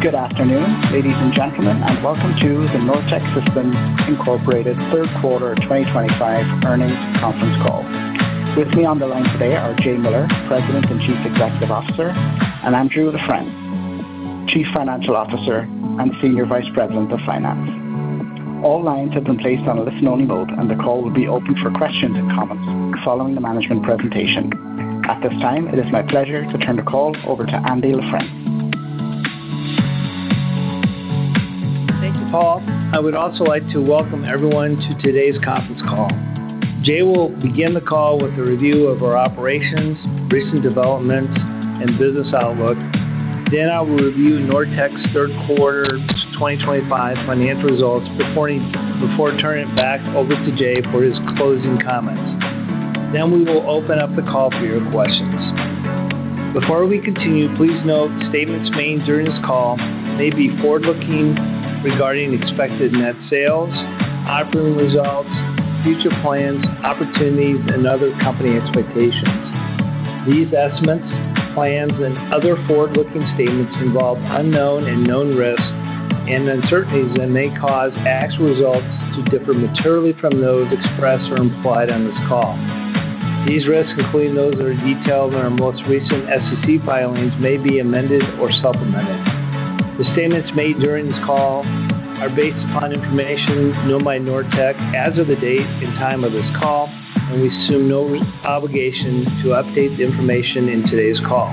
Good afternoon, ladies and gentlemen, and welcome to the Nortech Systems Incorporated third quarter 2025 earnings conference call. With me on the line today are Jay Miller, President and Chief Executive Officer, and Andrew LaFrence, Chief Financial Officer and Senior Vice President of Finance. All lines have been placed on a listen-only mode, and the call will be open for questions and comments following the management presentation. At this time, it is my pleasure to turn the call over to Andrew LaFrence. Thank you, Paul. I would also like to welcome everyone to today's conference call. Jay will begin the call with a review of our operations, recent developments, and business outlook. Then I will review Nortech's third quarter 2025 financial results, before turning it back over to Jay for his closing comments. We will open up the call for your questions. Before we continue, please note statements made during this call may be forward-looking regarding expected net sales, operating results, future plans, opportunities, and other company expectations. These estimates, plans, and other forward-looking statements involve unknown and known risks and uncertainties that may cause actual results to differ materially from those expressed or implied on this call. These risks, including those that are detailed in our most recent SEC filings, may be amended or supplemented. The statements made during this call are based upon information known by Nortech as of the date and time of this call, and we assume no obligation to update the information in today's call.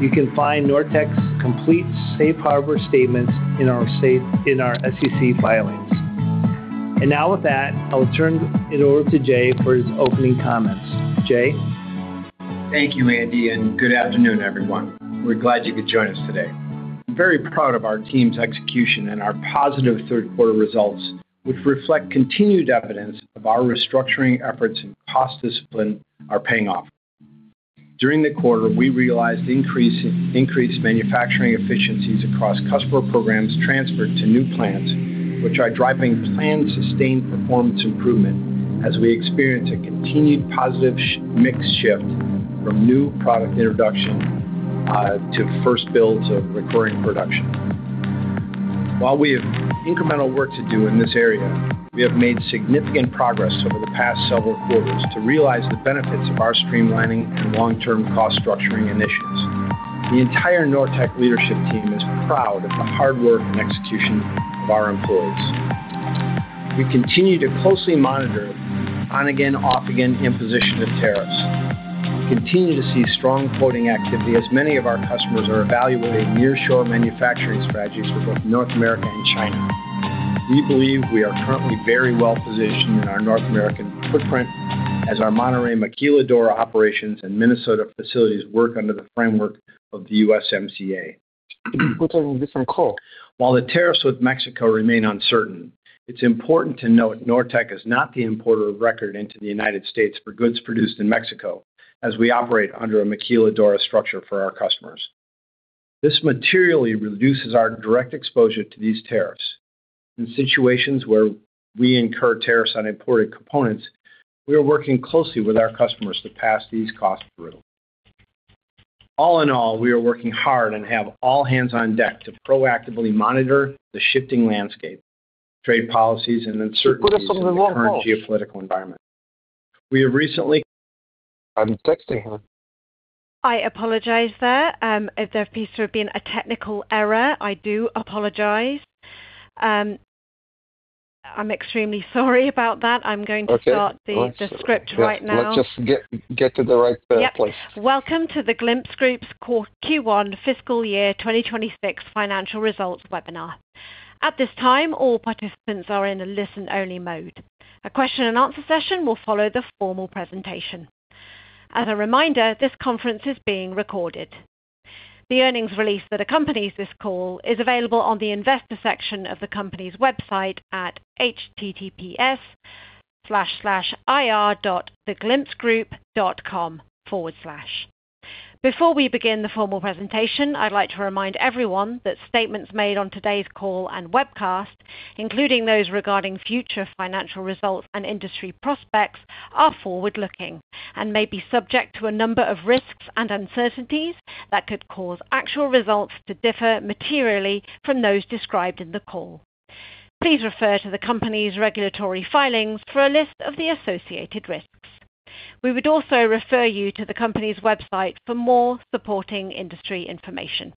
You can find Nortech's complete Safe Harbor statements in our SEC filings. Now with that, I will turn it over to Jay for his opening comments. Jay. Thank you, Andy, and good afternoon, everyone. We're glad you could join us today. I'm very proud of our team's execution and our positive third quarter results, which reflect continued evidence of our restructuring efforts and cost discipline are paying off. During the quarter, we realized increased manufacturing efficiencies across customer programs transferred to new plants, which are driving planned sustained performance improvement as we experience a continued positive mix shift from new product introduction to first builds of recurring production. While we have incremental work to do in this area, we have made significant progress over the past several quarters to realize the benefits of our streamlining and long-term cost structuring initiatives. The entire Nortech leadership team is proud of the hard work and execution of our employees. We continue to closely monitor on-again, off-again imposition of tariffs. We continue to see strong quoting activity as many of our customers are evaluating near-shore manufacturing strategies for both North America and China. We believe we are currently very well positioned in our North American footprint as our Monterrey Maquiladora operations and Minnesota facilities work under the framework of the USMCA. We're taking a different call. While the tariffs with Mexico remain uncertain, it's important to note Nortech is not the importer of record into the United States for goods produced in Mexico, as we operate under a Maquiladora structure for our customers. This materially reduces our direct exposure to these tariffs. In situations where we incur tariffs on imported components, we are working closely with our customers to pass these costs through. All in all, we are working hard and have all hands on deck to proactively monitor the shifting landscape, trade policies, and uncertainties in the current geopolitical environment. We have recently. I'm texting her. I apologize. There appears to have been a technical error. I do apologize. I'm extremely sorry about that. I'm going to start the script right now. Let's just get to the right place. Yes. Welcome to The Glimpse Group's Q1 Fiscal Year 2026 financial results webinar. At this time, all participants are in a listen-only mode. A question-and-answer session will follow the formal presentation. As a reminder, this conference is being recorded. The earnings release that accompanies this call is available on the investor section of the company's website at https://ir.theglimpsegroup.com/. Before we begin the formal presentation, I'd like to remind everyone that statements made on today's call and webcast, including those regarding future financial results and industry prospects, are forward-looking and may be subject to a number of risks and uncertainties that could cause actual results to differ materially from those described in the call. Please refer to the company's regulatory filings for a list of the associated risks. We would also refer you to the company's website for more supporting industry information.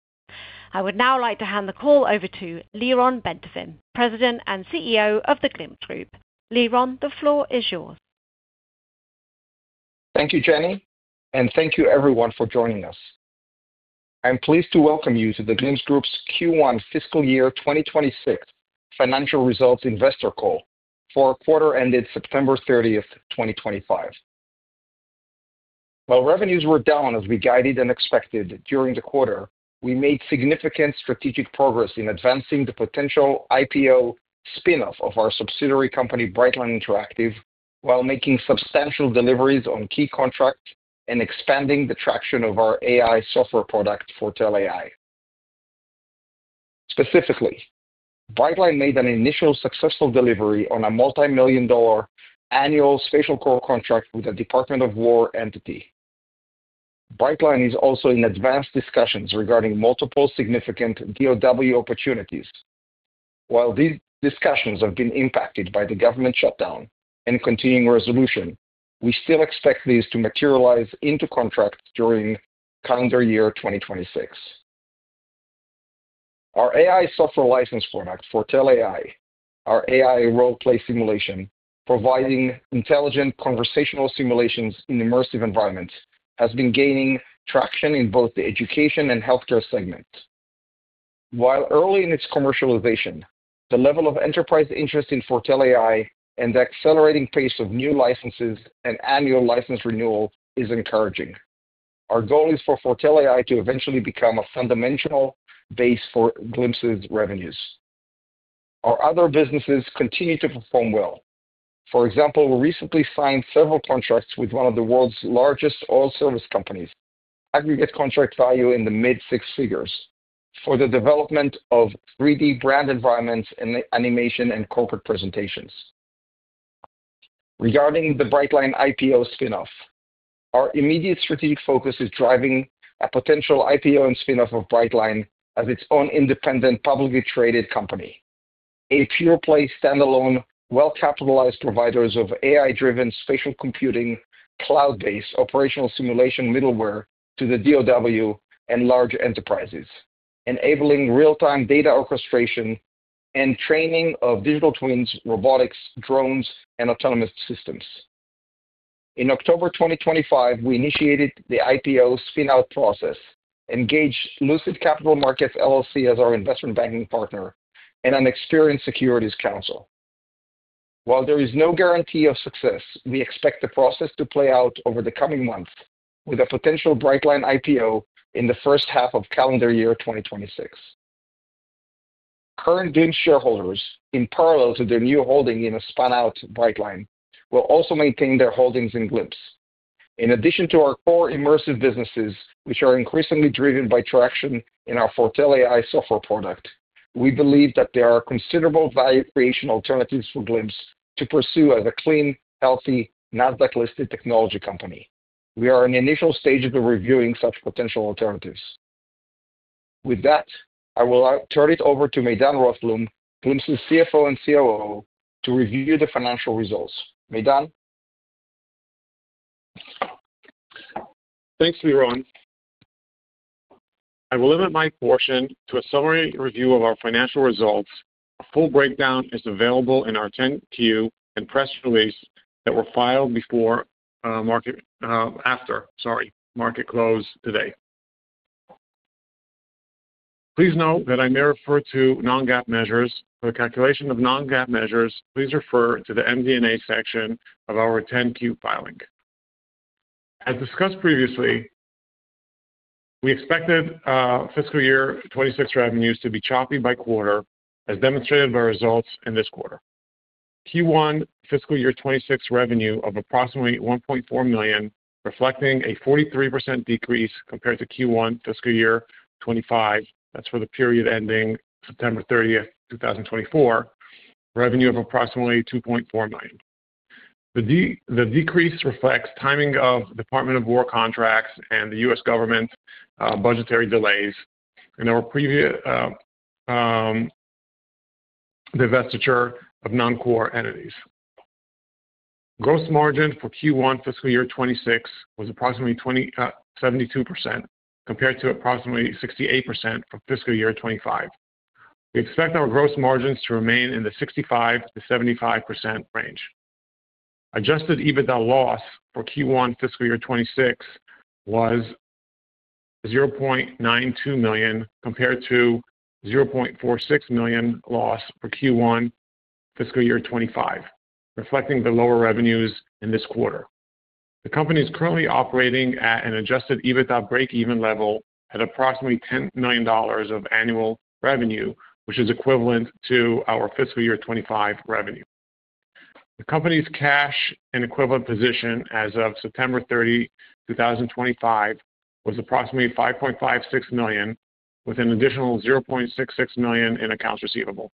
I would now like to hand the call over to Lyron Bentovim, President and CEO of The Glimpse Group. Lyron, the floor is yours. Thank you, Jenny, and thank you, everyone, for joining us. I'm pleased to welcome you to The Glimpse Group's Q1 Fiscal Year 2026 financial results investor call for a quarter ended September 30, 2025. While revenues were down as we guided and expected during the quarter, we made significant strategic progress in advancing the potential IPO spinoff of our subsidiary company, Brightline Interactive, while making substantial deliveries on key contracts and expanding the traction of our AI software product, Fortell AI. Specifically, Brightline made an initial successful delivery on a multi-million dollar annual SpatialCore contract with a Department of War entity. Brightline is also in advanced discussions regarding multiple significant DoW opportunities. While these discussions have been impacted by the government shutdown and continuing resolution, we still expect these to materialize into contracts during calendar year 2026. Our AI software license product, Fortell AI, our AI role-play simulation providing intelligent conversational simulations in immersive environments, has been gaining traction in both the education and healthcare segments. While early in its commercialization, the level of enterprise interest in Fortell AI and the accelerating pace of new licenses and annual license renewal is encouraging. Our goal is for Fortell AI to eventually become a fundamental base for Glimpse's revenues. Our other businesses continue to perform well. For example, we recently signed several contracts with one of the world's largest oil service companies, aggregate contract value in the mid-six figures, for the development of 3D brand environments and animation and corporate presentations. Regarding the Brightline IPO spinoff, our immediate strategic focus is driving a potential IPO and spinoff of Brightline as its own independent publicly traded company, a pure-play standalone, well-capitalized provider of AI-driven spatial computing cloud-based operational simulation middleware to the DoW and large enterprises, enabling real-time data orchestration and training of digital twins, robotics, drones, and autonomous systems. In October 2025, we initiated the IPO spinout process, engaged Lucid Capital Markets LLC as our investment banking partner, and an experienced securities counsel. While there is no guarantee of success, we expect the process to play out over the coming months with a potential Brightline IPO in the first half of calendar year 2026. Current Glimpse shareholders, in parallel to their new holding in a spun-out Brightline, will also maintain their holdings in Glimpse in addition to our core immersive businesses, which are increasingly driven by traction in our Fortell AI software product. We believe that there are considerable value creation alternatives for Glimpse to pursue as a clean, healthy, NASDAQ-listed technology company. We are in the initial stages of reviewing such potential alternatives. With that, I will turn it over to Maydan Rothblum, Glimpse's CFO and COO, to review the financial results. Maydan. Thanks, Lyron. I will limit my portion to a summary review of our financial results. A full breakdown is available in our 10-Q and press release that were filed before market after, sorry, market close today. Please note that I may refer to non-GAAP measures. For the calculation of non-GAAP measures, please refer to the MD&A section of our 10-Q filing. As discussed previously, we expected fiscal year 2026 revenues to be choppy by quarter, as demonstrated by results in this quarter. Q1 fiscal year 2026 revenue of approximately $1.4 million, reflecting a 43% decrease compared to Q1 fiscal year 2025. That's for the period ending September 30, 2024, revenue of approximately $2.4 million. The decrease reflects timing of Department of War contracts and the U.S. government budgetary delays and our previous divestiture of non-core entities. Gross margin for Q1 fiscal year 2026 was approximately 72% compared to approximately 68% for fiscal year 2025. We expect our gross margins to remain in the 65%-75% range. Adjusted EBITDA loss for Q1 fiscal year 2026 was $0.92 million compared to $0.46 million loss for Q1 fiscal year 2025, reflecting the lower revenues in this quarter. The company is currently operating at an adjusted EBITDA break-even level at approximately $10 million of annual revenue, which is equivalent to our fiscal year 2025 revenue. The company's cash and equivalent position as of September 30, 2025, was approximately $5.56 million, with an additional $0.66 million in accounts receivable.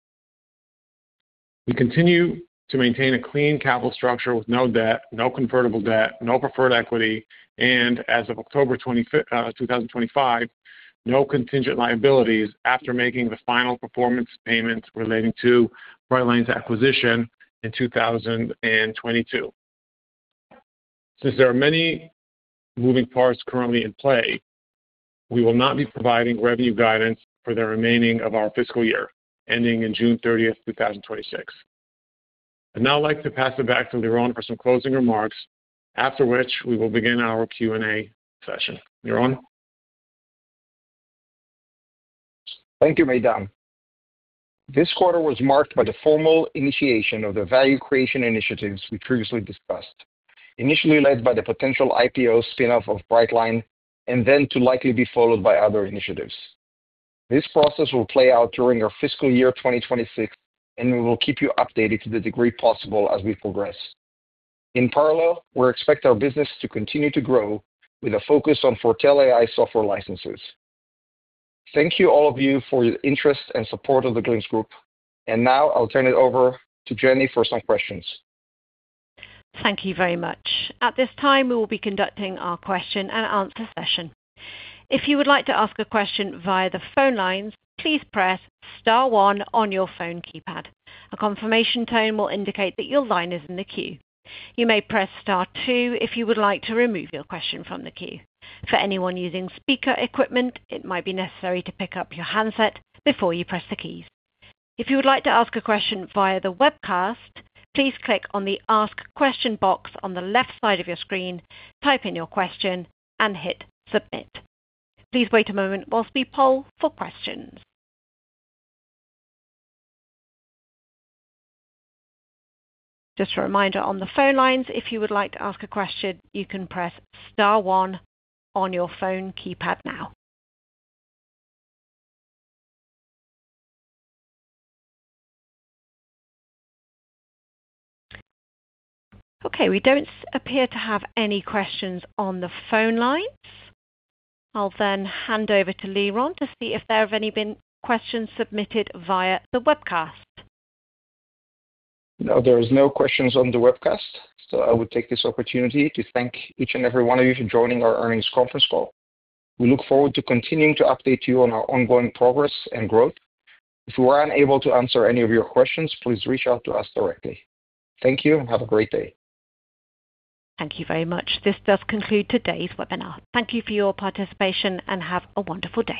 We continue to maintain a clean capital structure with no debt, no convertible debt, no preferred equity, and as of October 2025, no contingent liabilities after making the final performance payments relating to Brightline's acquisition in 2022. Since there are many moving parts currently in play, we will not be providing revenue guidance for the remainder of our fiscal year ending on June 30, 2026. I'd now like to pass it back to Lyron for some closing remarks, after which we will begin our Q&A session. Lyron. Thank you, Maydan. This quarter was marked by the formal initiation of the value creation initiatives we previously discussed, initially led by the potential IPO spinoff of Brightline and then to likely be followed by other initiatives. This process will play out during our fiscal year 2026, and we will keep you updated to the degree possible as we progress. In parallel, we expect our business to continue to grow with a focus on Fortell AI software licenses. Thank you, all of you, for your interest and support of the Glimpse Group. Now I'll turn it over to Jenny for some questions. Thank you very much. At this time, we will be conducting our question and answer session. If you would like to ask a question via the phone lines, please press Star 1 on your phone keypad. A confirmation tone will indicate that your line is in the queue. You may press Star 2 if you would like to remove your question from the queue. For anyone using speaker equipment, it might be necessary to pick up your handset before you press the keys. If you would like to ask a question via the webcast, please click on the Ask Question box on the left side of your screen, type in your question, and hit Submit. Please wait a moment while we poll for questions. Just a reminder on the phone lines, if you would like to ask a question, you can press Star 1 on your phone keypad now. Okay, we don't appear to have any questions on the phone lines. I'll then hand over to Lyron to see if there have been any questions submitted via the webcast. No, there are no questions on the webcast, so I would take this opportunity to thank each and every one of you for joining our earnings conference call. We look forward to continuing to update you on our ongoing progress and growth. If we were unable to answer any of your questions, please reach out to us directly. Thank you and have a great day. Thank you very much. This does conclude today's webinar. Thank you for your participation and have a wonderful day.